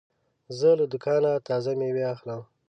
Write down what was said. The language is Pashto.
زه له دوکانه تازه مېوې اخلم.